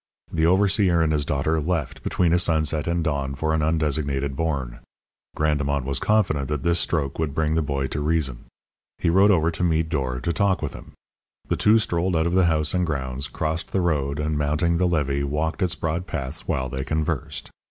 The overseer and his daughter left, between a sunset and dawn, for an undesignated bourne. Grandemont was confident that this stroke would bring the boy to reason. He rode over to Meade d'Or to talk with him. The two strolled out of the house and grounds, crossed the road, and, mounting the levee, walked its broad path while they conversed.